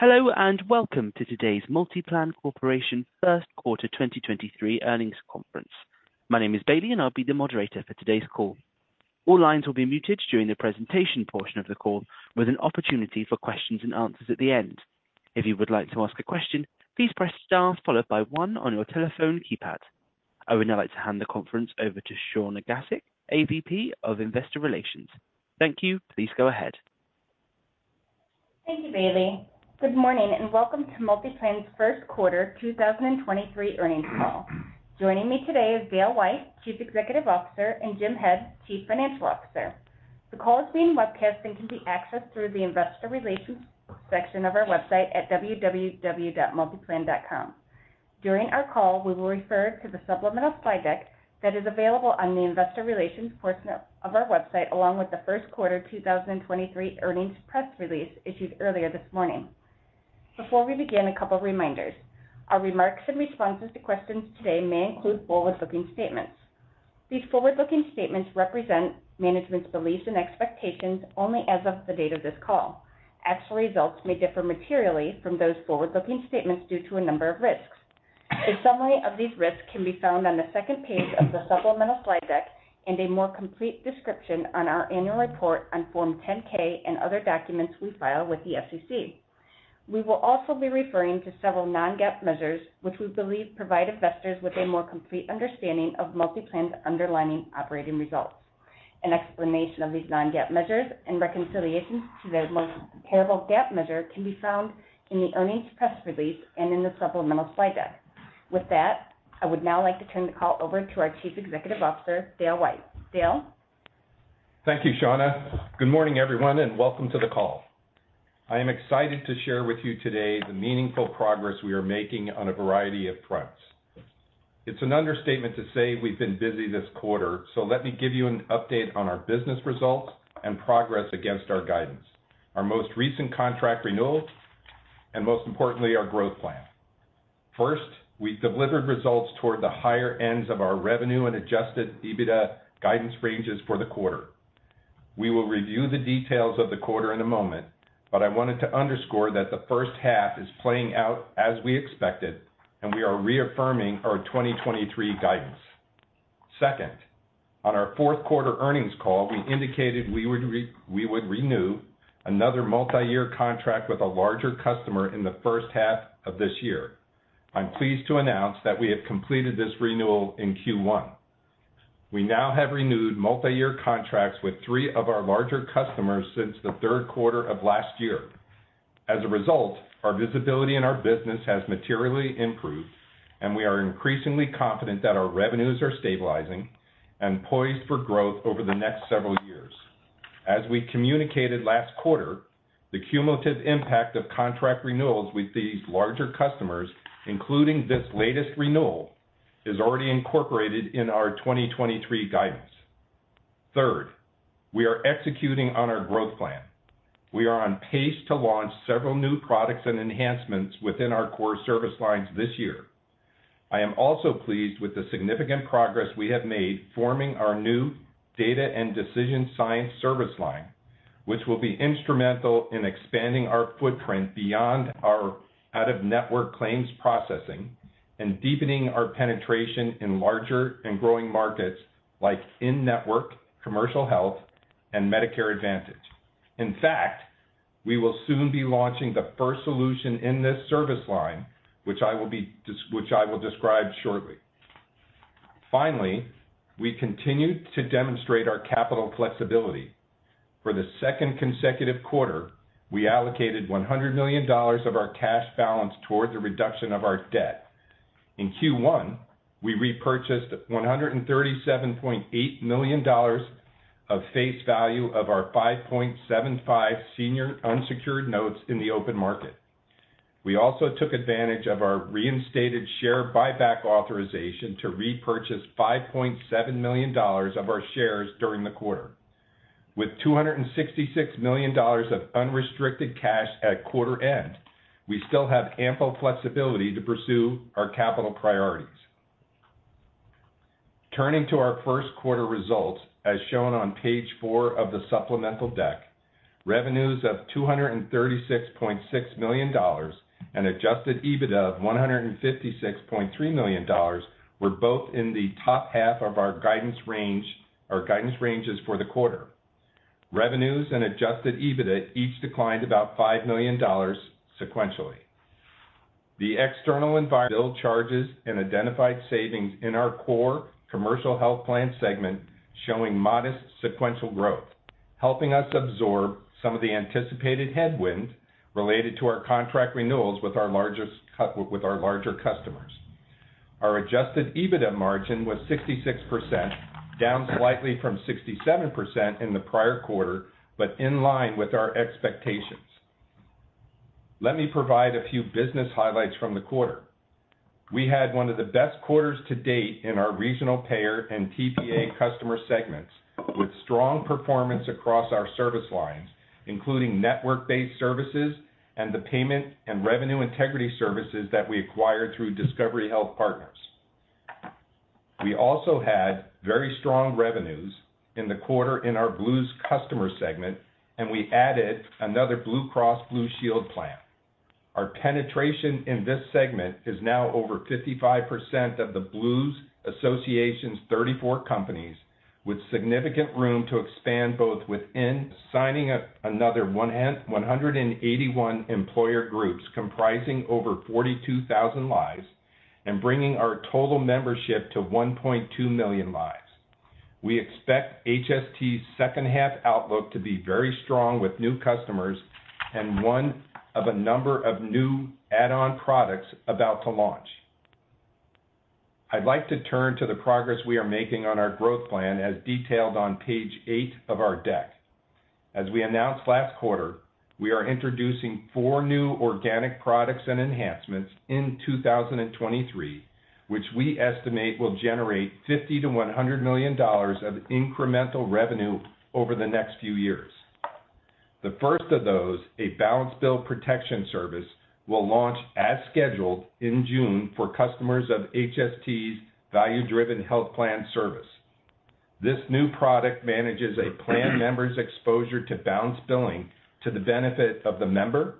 Hello, and welcome to today's MultiPlan Corporation first quarter 2023 earnings conference. My name is Bailey, and I'll be the moderator for today's call. All lines will be muted during the presentation portion of the call, with an opportunity for questions and answers at the end. If you would like to ask a question, please press star followed by one on your telephone keypad. I would now like to hand the conference over to Shawna Gasik, AVP of Investor Relations. Thank you. Please go ahead. Thank you, Bailey. Good morning, and welcome to MultiPlan's first quarter 2023 earnings call. Joining me today is Dale White, Chief Executive Officer, and Jim Head, Chief Financial Officer. The call is being webcast and can be accessed through the investor relations section of our website at www.multiplan.com. During our call, we will refer to the supplemental slide deck that is available on the investor relations portion of our website, along with the first quarter 2023 earnings press release issued earlier this morning. Before we begin, a couple reminders. Our remarks and responses to questions today may include forward-looking statements. These forward-looking statements represent management's beliefs and expectations only as of the date of this call. Actual results may differ materially from those forward-looking statements due to a number of risks. A summary of these risks can be found on the second page of the supplemental slide deck, and a more complete description on our annual report on Form 10-K and other documents we file with the SEC. We will also be referring to several non-GAAP measures, which we believe provide investors with a more complete understanding of MultiPlan's underlying operating results. An explanation of these non-GAAP measures and reconciliations to their most comparable GAAP measure can be found in the earnings press release and in the supplemental slide deck. With that, I would now like to turn the call over to our Chief Executive Officer, Dale White. Dale? Thank you, Shawna. Good morning, everyone, welcome to the call. I am excited to share with you today the meaningful progress we are making on a variety of fronts. It's an understatement to say we've been busy this quarter, let me give you an update on our business results and progress against our guidance, our most recent contract renewals, and most importantly, our Growth Plan. First, we delivered results toward the higher ends of our revenue and adjusted EBITDA guidance ranges for the quarter. We will review the details of the quarter in a moment, I wanted to underscore that the first half is playing out as we expected, we are reaffirming our 2023 guidance. Second, on our fourth quarter earnings call, we indicated we would renew another multiyear contract with a larger customer in the first half of this year. I'm pleased to announce that we have completed this renewal in Q1. We now have renewed multiyear contracts with three of our larger customers since the third quarter of last year. As a result, our visibility in our business has materially improved. We are increasingly confident that our revenues are stabilizing and poised for growth over the next several years. As we communicated last quarter, the cumulative impact of contract renewals with these larger customers, including this latest renewal, is already incorporated in our 2023 guidance. Third, we are executing on our Growth Plan. We are on pace to launch several new products and enhancements within our core service lines this year. I am also pleased with the significant progress we have made forming our new Data & Decision Science service line, which will be instrumental in expanding our footprint beyond our out-of-network claims processing and deepening our penetration in larger and growing markets like in-network, Commercial Health, and Medicare Advantage. In fact, we will soon be launching the first solution in this service line, which I will describe shortly. Finally, we continue to demonstrate our capital flexibility. For the second consecutive quarter, we allocated $100 million of our cash balance towards a reduction of our debt. In Q1, we repurchased $137.8 million of face value of our 5.75% senior unsecured notes in the open market. We also took advantage of our reinstated share buyback authorization to repurchase $5.7 million of our shares during the quarter. With $266 million of unrestricted cash at quarter end, we still have ample flexibility to pursue our capital priorities. Turning to our first quarter results as shown on page four of the supplemental deck, revenues of $236.6 million and adjusted EBITDA of $156.3 million were both in the top half of our guidance ranges for the quarter. Revenues and adjusted EBITDA each declined about $5 million sequentially. The external environment still charges and identified savings in our core Commercial Health Plan segment, showing modest sequential growth, helping us absorb some of the anticipated headwinds related to our contract renewals with our larger customers. Our adjusted EBITDA margin was 66%, down slightly from 67% in the prior quarter, but in line with our expectations. Let me provide a few business highlights from the quarter. We had one of the best quarters to date in our regional payer and TPA customer segments, with strong performance across our service lines, including network-based services and the payment and revenue integrity services that we acquired through Discovery Health Partners. We also had very strong revenues in the quarter in our Blues customer segment, and we added another Blue Cross Blue Shield plan. Our penetration in this segment is now over 55% of the Blues Association's 34 companies with significant room to expand both within signing up another 181 employer groups comprising over 42,000 lives and bringing our total membership to 1.2 million lives. We expect HST's second half outlook to be very strong with new customers and one of a number of new add-on products about to launch. I'd like to turn to the progress we are making on our Growth Plan as detailed on page eight of our deck. As we announced last quarter, we are introducing four new organic products and enhancements in 2023, which we estimate will generate $50 million-$100 million of incremental revenue over the next few years. The first of those, a Balance Bill Protection service, will launch as scheduled in June for customers of HST's Value-Driven Health Plan service. This new product manages a plan member's exposure to balance billing to the benefit of the member,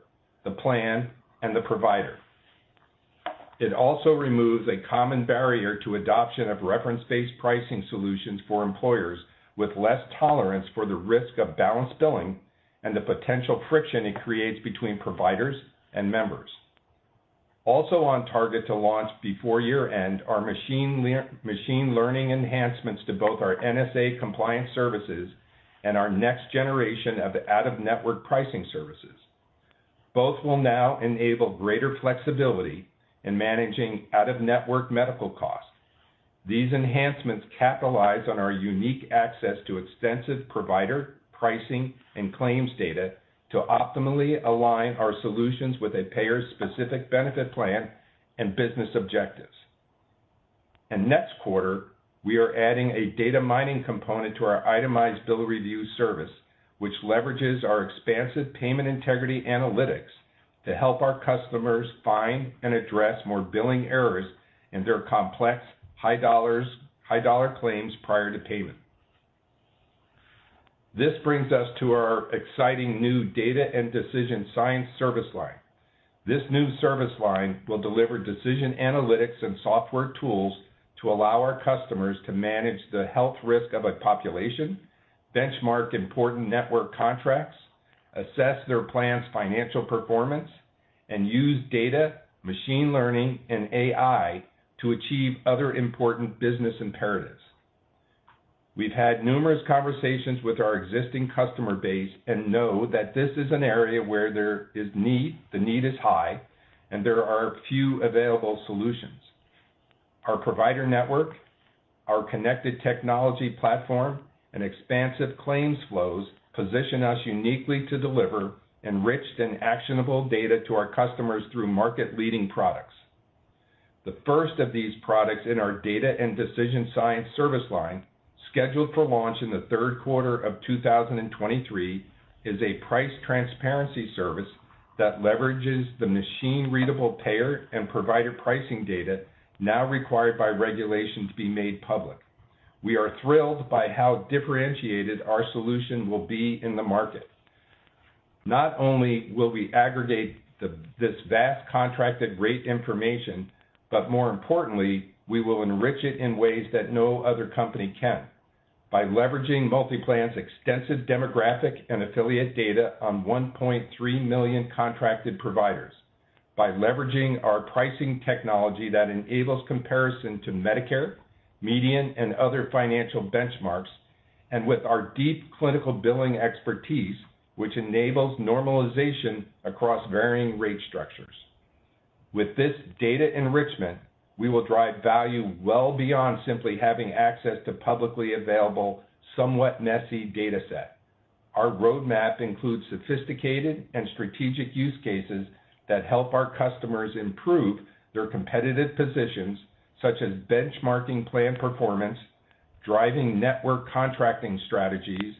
the plan, and the provider. It also removes a common barrier to adoption of reference-based pricing solutions for employers with less tolerance for the risk of balance billing and the potential friction it creates between providers and members. Also on target to launch before year-end are machine learning enhancements to both our NSA compliance services and our next generation of out-of-network pricing services. Both will now enable greater flexibility in managing out-of-network medical costs. These enhancements capitalize on our unique access to extensive provider, pricing, and claims data to optimally align our solutions with a payer's specific benefit plan and business objectives. Next quarter, we are adding a data mining component to our Itemized Bill Review service, which leverages our expansive payment integrity analytics to help our customers find and address more billing errors in their complex high dollar claims prior to payment. This brings us to our exciting new Data & Decision Science service line. This new service line will deliver decision analytics and software tools to allow our customers to manage the health risk of a population, benchmark important network contracts, assess their plans' financial performance, and use data, machine learning, and AI to achieve other important business imperatives. We've had numerous conversations with our existing customer base and know that this is an area where there is need, the need is high, and there are few available solutions. Our provider network, our connected technology platform, and expansive claims flows position us uniquely to deliver enriched and actionable data to our customers through market-leading products. The first of these products in our Data & Decision Science service line, scheduled for launch in the third quarter of 2023, is a price transparency service that leverages the machine-readable payer and provider pricing data now required by regulation to be made public. We are thrilled by how differentiated our solution will be in the market. Not only will we aggregate this vast contracted rate information, but more importantly, we will enrich it in ways that no other company can by leveraging MultiPlan's extensive demographic and affiliate data on 1.3 million contracted providers, by leveraging our pricing technology that enables comparison to Medicare, median, and other financial benchmarks, and with our deep clinical billing expertise, which enables normalization across varying rate structures. With this data enrichment, we will drive value well beyond simply having access to publicly available, somewhat messy dataset. Our roadmap includes sophisticated and strategic use cases that help our customers improve their competitive positions, such as benchmarking plan performance, driving network contracting strategies,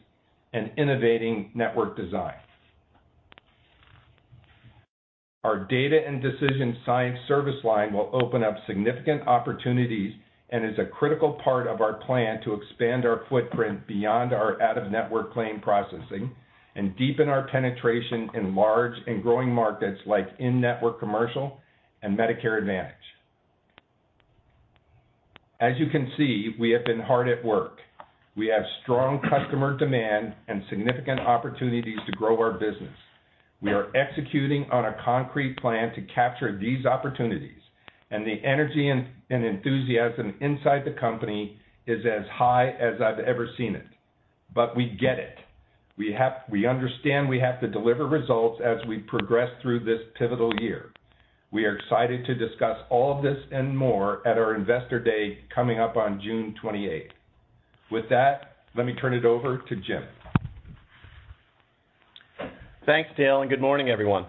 and innovating network design. Our Data & Decision Science service line will open up significant opportunities and is a critical part of our plan to expand our footprint beyond our out-of-network claim processing and deepen our penetration in large and growing markets like in-network commercial and Medicare Advantage. You can see, we have been hard at work. We have strong customer demand and significant opportunities to grow our business. We are executing on a concrete plan to capture these opportunities, the energy and enthusiasm inside the company is as high as I've ever seen it. We get it. We understand we have to deliver results as we progress through this pivotal year. We are excited to discuss all of this and more at our Investor Day coming up on June 28th. With that, let me turn it over to Jim. Thanks, Dale. Good morning, everyone.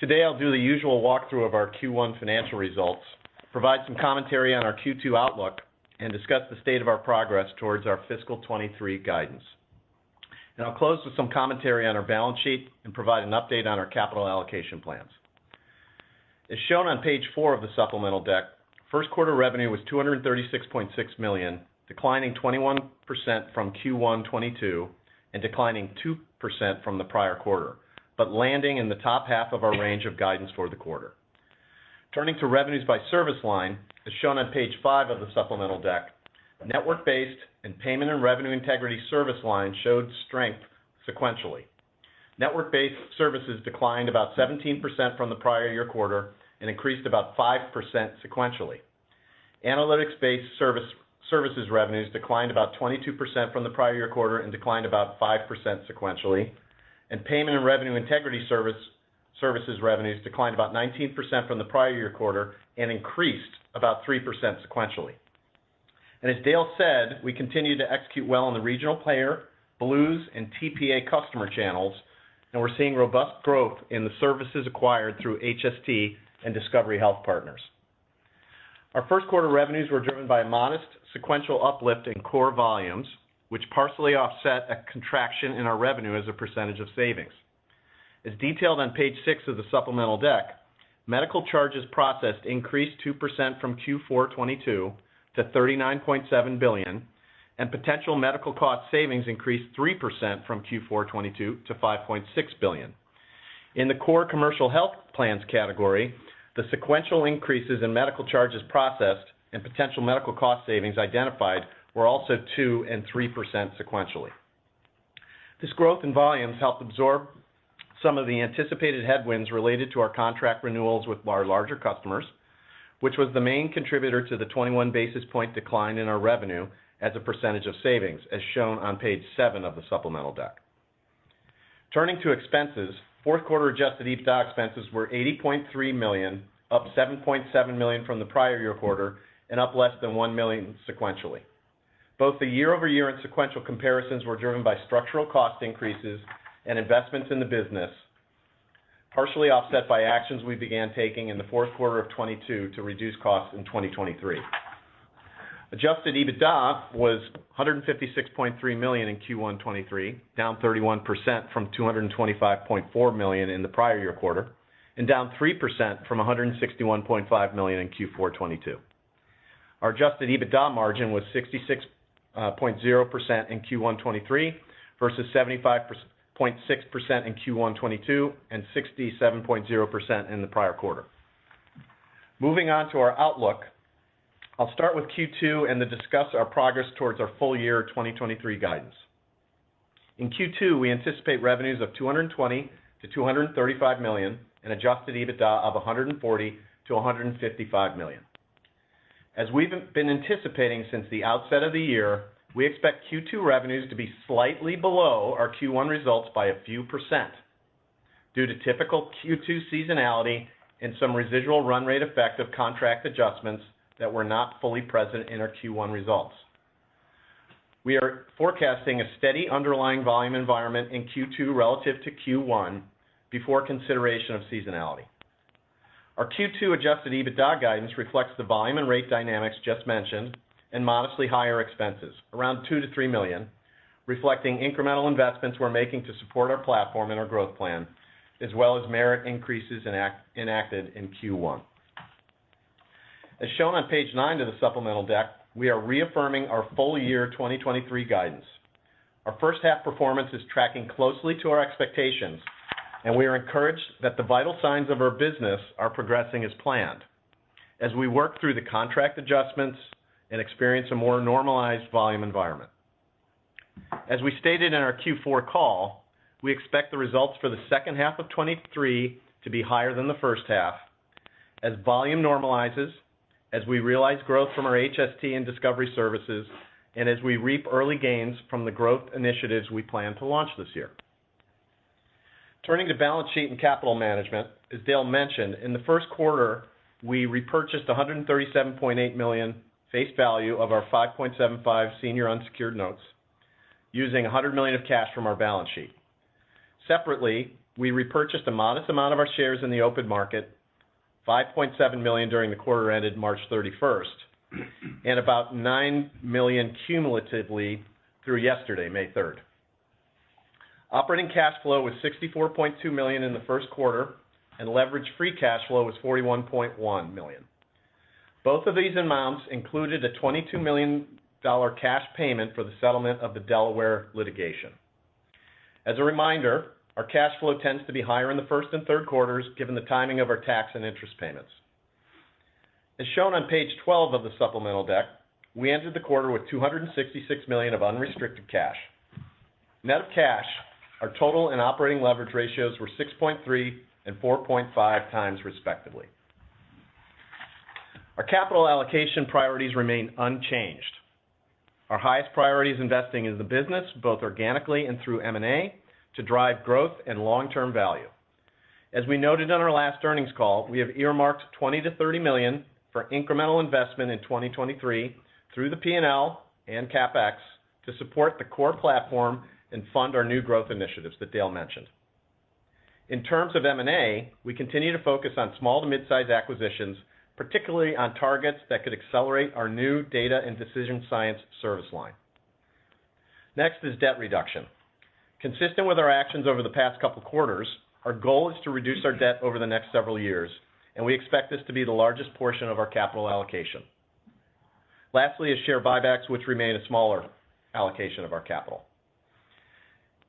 Today, I'll do the usual walkthrough of our Q1 financial results, provide some commentary on our Q2 outlook, discuss the state of our progress towards our fiscal 23 guidance. I'll close with some commentary on our balance sheet and provide an update on our capital allocation plans. As shown on page four of the supplemental deck, first quarter revenue was $236.6 million, declining 21% from Q1 2022, and declining 2% from the prior quarter, but landing in the top half of our range of guidance for the quarter. Turning to revenues by service line, as shown on page 5 of the supplemental deck, network-based and payment and revenue integrity service line showed strength sequentially. Network-based services declined about 17% from the prior year quarter and increased about 5% sequentially. Analytics-based service, services revenues declined about 22% from the prior year quarter and declined about 5% sequentially. Payment and revenue integrity service, services revenues declined about 19% from the prior year quarter and increased about 3% sequentially. As Dale said, we continue to execute well in the regional player, Blues, and TPA customer channels, and we're seeing robust growth in the services acquired through HST and Discovery Health Partners. Our first quarter revenues were driven by a modest sequential uplift in core volumes, which partially offset a contraction in our revenue as a percentage of savings. As detailed on page six of the supplemental deck, medical charges processed increased 2% from Q4 2022 to $39.7 billion, and potential medical cost savings increased 3% from Q4 2022 to $5.6 billion. In the core Commercial Health Plans category, the sequential increases in medical charges processed and potential medical cost savings identified were also 2% and 3% sequentially. This growth in volumes helped absorb some of the anticipated headwinds related to our contract renewals with our larger customers, which was the main contributor to the 21 basis point decline in our revenue as a percentage of savings, as shown on page 7 of the supplemental deck. Turning to expenses, fourth quarter adjusted EBITDA expenses were $80.3 million, up $7.7 million from the prior year quarter. Up less than $1 million sequentially. Both the year-over-year and sequential comparisons were driven by structural cost increases and investments in the business, partially offset by actions we began taking in the fourth quarter of 2022 to reduce costs in 2023. adjusted EBITDA was $156.3 million in Q1 2023, down 31% from $225.4 million in the prior year quarter, and down 3% from $161.5 million in Q4 2022. Our adjusted EBITDA margin was 66.0% in Q1 2023 versus 75.6% in Q1 2022, and 67.0% in the prior quarter. Moving on to our outlook. I'll start with Q2 and then discuss our progress towards our full year 2023 guidance. In Q2, we anticipate revenues of $220 million-$235 million, and adjusted EBITDA of $140 million-$155 million. As we've been anticipating since the outset of the year, we expect Q2 revenues to be slightly below our Q1 results by a few percent due to typical Q2 seasonality and some residual run rate effect of contract adjustments that were not fully present in our Q1 results. We are forecasting a steady underlying volume environment in Q2 relative to Q1 before consideration of seasonality. Our Q2 adjusted EBITDA guidance reflects the volume and rate dynamics just mentioned, and modestly higher expenses, around $2 million-$3 million, reflecting incremental investments we're making to support our platform and our Growth Plan, as well as merit increases enacted in Q1. As shown on page 9 of the supplemental deck, we are reaffirming our full year 2023 guidance. Our first half performance is tracking closely to our expectations. We are encouraged that the vital signs of our business are progressing as planned as we work through the contract adjustments, and experience a more normalized volume environment. As we stated in our Q4 call, we expect the results for the second half of 2023 to be higher than the first half as volume normalizes, as we realize growth from our HST and Discovery services, and as we reap early gains from the growth initiatives we plan to launch this year. Turning to balance sheet and capital management, as Dale mentioned, in the first quarter, we repurchased $137.8 million face value of our 5.75% senior unsecured notes using $100 million of cash from our balance sheet. Separately, we repurchased a modest amount of our shares in the open market, $5.7 million during the quarter ended March thirty-first, and about $9 million cumulatively through yesterday, May third. Operating cash flow was $64.2 million in the first quarter, and levered free cash flow was $41.1 million. Both of these amounts included a $22 million cash payment for the settlement of the Delaware litigation. As a reminder, our cash flow tends to be higher in the first and third quarters, given the timing of our tax and interest payments. As shown on page 12 of the supplemental deck, we entered the quarter with $266 million of unrestricted cash. Net of cash, our total and operating leverage ratios were 6.3 and 4.5x respectively. Our capital allocation priorities remain unchanged. Our highest priority is investing in the business, both organically and through M&A, to drive growth and long-term value. As we noted on our last earnings call, we have earmarked $20 million-$30 million for incremental investment in 2023 through the P&L and CapEx to support the core platform and fund our new growth initiatives that Dale mentioned. In terms of M&A, we continue to focus on small to mid-size acquisitions, particularly on targets that could accelerate our new Data & Decision Science service line. Next is debt reduction. Consistent with our actions over the past couple of quarters, our goal is to reduce our debt over the next several years, and we expect this to be the largest portion of our capital allocation. Lastly is share buybacks, which remain a smaller allocation of our capital.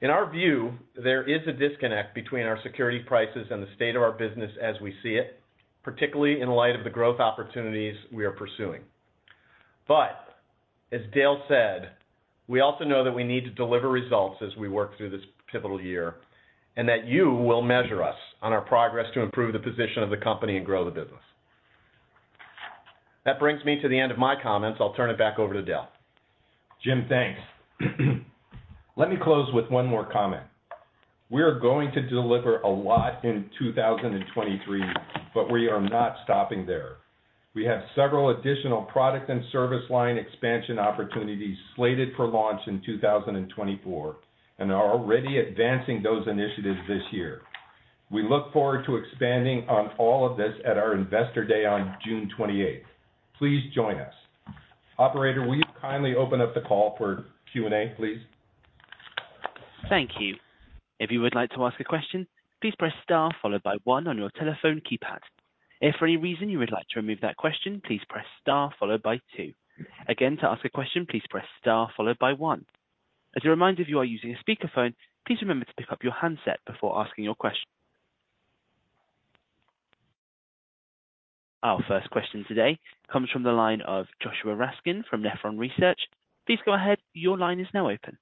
In our view, there is a disconnect between our security prices and the state of our business as we see it, particularly in light of the growth opportunities we are pursuing. As Dale said, we also know that we need to deliver results as we work through this pivotal year, and that you will measure us on our progress to improve the position of the company and grow the business. That brings me to the end of my comments. I'll turn it back over to Dale. Jim, thanks. Let me close with one more comment. We are going to deliver a lot in 2023, but we are not stopping there. We have several additional product and service line expansion opportunities slated for launch in 2024 and are already advancing those initiatives this year. We look forward to expanding on all of this at our Investor Day on June 28th. Please join us. Operator, will you kindly open up the call for Q&A, please? Thank you. If you would like to ask a question, please press star followed by one on your telephone keypad. If for any reason you would like to remove that question, please press star followed by two. Again, to ask a question, please press star followed by one. As a reminder, if you are using a speakerphone, please remember to pick up your handset before asking your question. Our first question today comes from the line of Joshua Raskin from Nephron Research. Please go ahead. Your line is now open.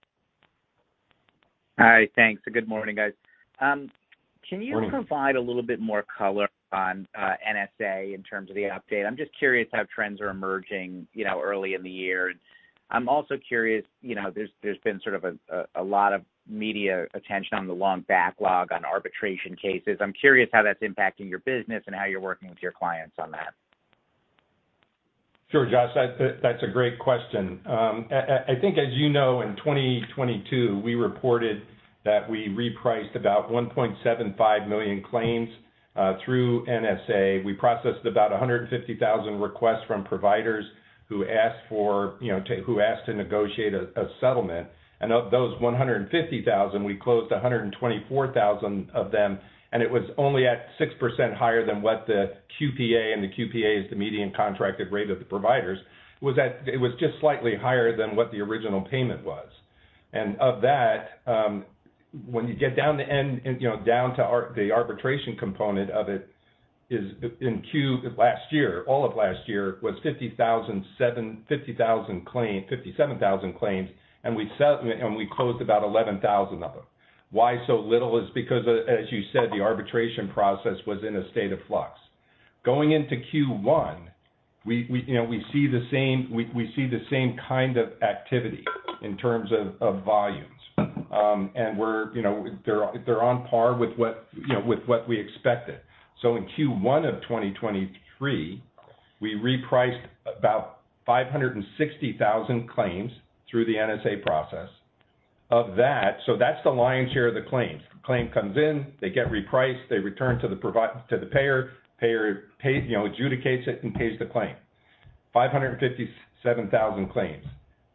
All right. Thanks. Good morning, guys. Can you provide a little bit more color on NSA in terms of the update? I'm just curious how trends are emerging, you know, early in the year. I'm also curious, you know, there's been sort of a lot of media attention on the long backlog on arbitration cases. I'm curious how that's impacting your business and how you're working with your clients on that. Sure, Josh. That's a great question. I think as you know, in 2022, we reported that we repriced about $1.75 million claims through NSA. We processed about 150,000 requests from providers who asked for, you know, who asked to negotiate a settlement. Of those 150,000, we closed 124,000 of them, and it was only at 6% higher than what the QPA, and the QPA is the median contracted rate of the providers, it was just slightly higher than what the original payment was. Of that, when you get down to the end and, you know, down to the arbitration component of it is in queue last year, all of last year was 57,000 claims, and we closed about 11,000 of them. Why so little is because, as you said, the arbitration process was in a state of flux. Going into Q1, we, you know, we see the same kind of activity in terms of volumes. We're, you know, they're on par with what, you know, with what we expected. In Q1 of 2023, we repriced about 560,000 claims through the NSA process. Of that's the lion's share of the claims. Claim comes in, they get repriced, they return to the payer pay, you know, adjudicates it, and pays the claim. 557,000 claims.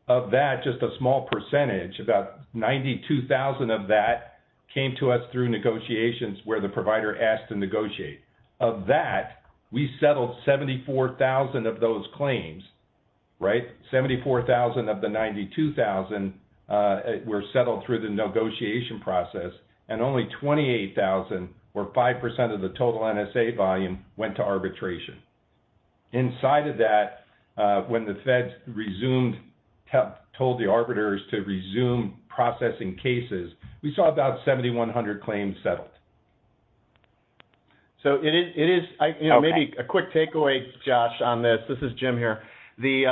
Of that, just a small percentage, about 92,000 of that came to us through negotiations where the provider asked to negotiate. Of that, we settled 74,000 of those claims, right? 74,000 of the 92,000 were settled through the negotiation process, and only 28,000, or 5% of the total NSA volume, went to arbitration. Inside of that, when the Feds resumed, told the arbiters to resume processing cases, we saw about 7,100 claims settled. It is, I, you know, maybe a quick takeaway, Josh, on this. This is Jim here. The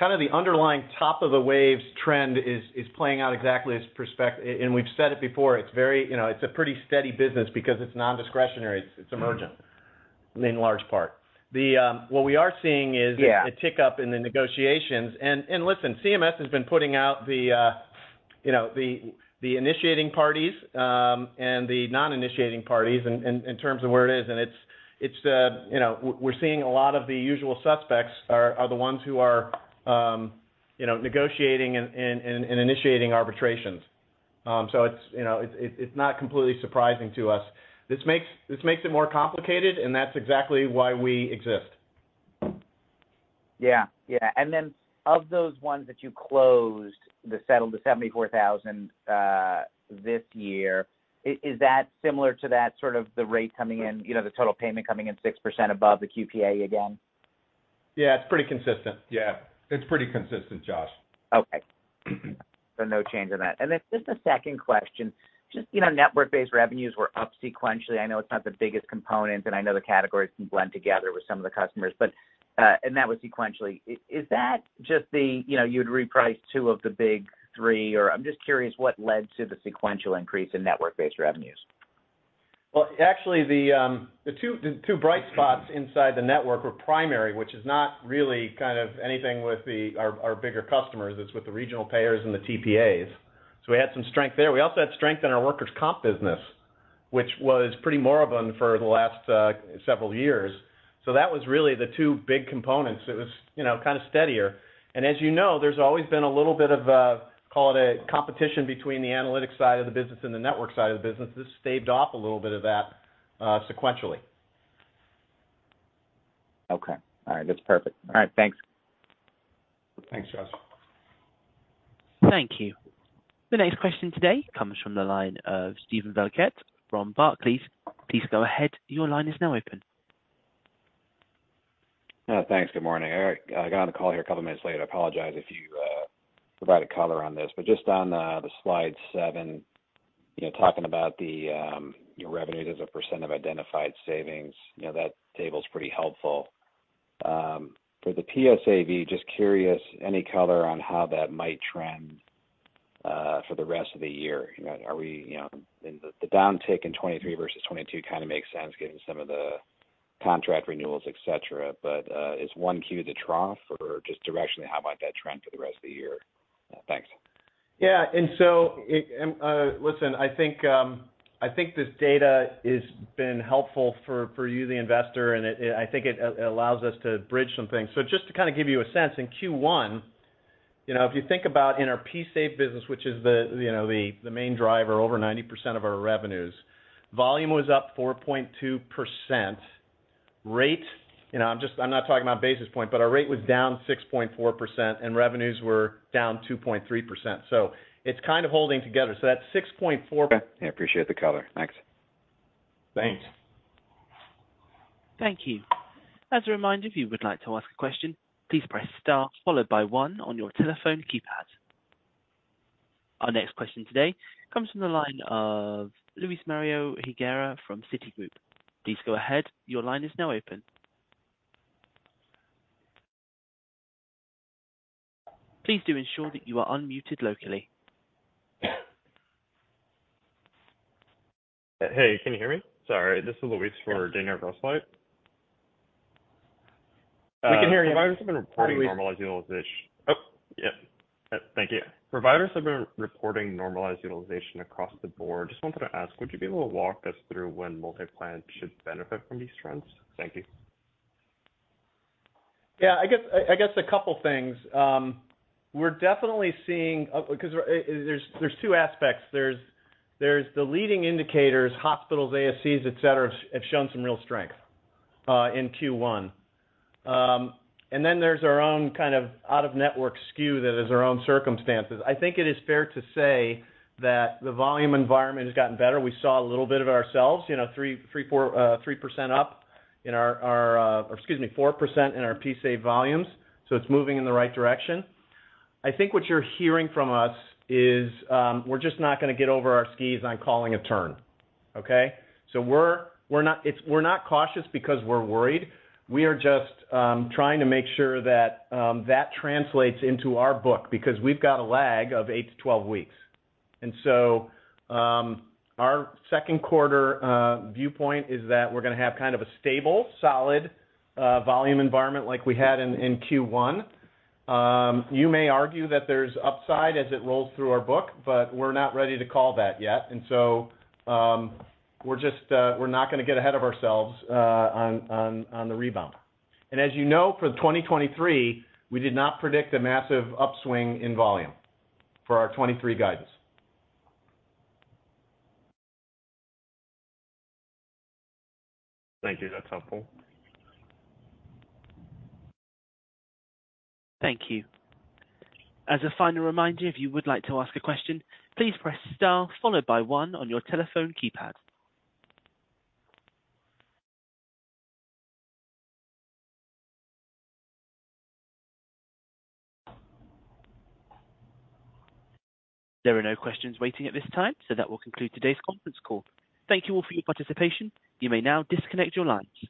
kind of the underlying top of the waves trend is playing out exactly as perspect-- and we've said it before, it's very, you know, it's a pretty steady business because it's nondiscretionary, it's emergent in large part. The what we are seeing is... Yeah. -a tick up in the negotiations. Listen, CMS has been putting out the, you know, the initiating parties and the non-initiating parties in terms of where it is. It's the... You know, we're seeing a lot of the usual suspects are the ones who are, you know, negotiating and initiating arbitrations. It's, you know, it's not completely surprising to us. This makes it more complicated, and that's exactly why we exist. Yeah. Yeah. Of those ones that you closed, the settled, the 74,000, this year, is that similar to that sort of the rate coming in, you know, the total payment coming in 6% above the QPA again? Yeah, it's pretty consistent, Josh. Okay. No change in that. Just a second question, just, you know, network-based revenues were up sequentially. I know it's not the biggest component, and I know the categories can blend together with some of the customers, but, and that was sequentially. Is that just the, you know, you'd reprice two of the big three, or I'm just curious what led to the sequential increase in network-based revenues? Well, actually the two bright spots inside the network were primary, which is not really kind of anything with the our bigger customers. It's with the regional payers and the TPAs. We had some strength there. We also had strength in our workers' comp business. Which was pretty moribund for the last several years. That was really the two big components. It was, you know, kind of steadier. As you know, there's always been a little bit of a, call it a competition between the analytics side of the business and the network side of the business. This staved off a little bit of that sequentially. Okay. All right. That's perfect. All right, thanks. Thanks, Josh. Thank you. The next question today comes from the line of Steven Valiquette from Barclays. Please go ahead. Your line is now open. Thanks. Good morning. Eric, I got on the call here a couple of minutes later. I apologize if you provided color on this, but just on the slide 7, you know, talking about the your revenue as a percent of identified savings. You know, that table's pretty helpful. For the PSAV, just curious, any color on how that might trend for the rest of the year? Are we, you know. The downtick in 2023 versus 2022 kind of makes sense given some of the contract renewals, et cetera. Is 1Q the trough or just directionally, how might that trend for the rest of the year? Thanks. Yeah, listen, I think, I think this data is been helpful for you, the investor, and it, I think it allows us to bridge some things. Just to kind of give you a sense, in Q1, you know, if you think about in our PSAV business, which is the, you know, the main driver, over 90% of our revenues, volume was up 4.2%. Rate, you know, I'm not talking about basis point, but our rate was down 6.4%, and revenues were down 2.3%. It's kind of holding together. That 6.4. Okay. I appreciate the color. Thanks. Thanks. Thank you. As a reminder, if you would like to ask a question, please press star followed by one on your telephone keypad. Our next question today comes from the line of Luismario Higuera from Citigroup. Please go ahead. Your line is now open. Please do ensure that you are unmuted locally. Hey, can you hear me? Sorry, this is Luis for Daniel Grosslight. We can hear you. Providers have been reporting normalized utilization. Oh, yeah. Thank you. Providers have been reporting normalized utilization across the board. Just wanted to ask, would you be able to walk us through when MultiPlan should benefit from these trends? Thank you. Yeah, I guess a couple things. We're definitely seeing... 'Cause there's two aspects. There's the leading indicators, hospitals, ASCs, et cetera, have shown some real strength in Q1. Then there's our own kind of out-of-network SKU that is our own circumstances. I think it is fair to say that the volume environment has gotten better. We saw a little bit of it ourselves, you know, 3, 4, 3% up in our, or excuse me, 4% in our PSAV volumes. It's moving in the right direction. I think what you're hearing from us is, we're just not gonna get over our skis on calling a turn. Okay? We're not, it's, we're not cautious because we're worried. We are just trying to make sure that that translates into our book because we've got a lag of 8-12 weeks. Our second quarter viewpoint is that we're gonna have kind of a stable, solid volume environment like we had in Q1. You may argue that there's upside as it rolls through our book, but we're not ready to call that yet. We're just we're not gonna get ahead of ourselves on the rebound. As you know, for 2023, we did not predict a massive upswing in volume for our 2023 guidance. Thank you. That's helpful. Thank you. As a final reminder, if you would like to ask a question, please press star followed by one on your telephone keypad. There are no questions waiting at this time. That will conclude today's conference call. Thank you all for your participation. You may now disconnect your lines.